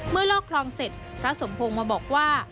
ลอกคลองเสร็จพระสมพงศ์มาบอกว่า